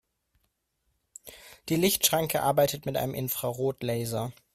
Die Lichtschranke arbeitet mit einem Infrarotlaser.